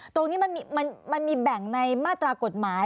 ตรงนี้มันมีแบ่งในมาตรากฎหมาย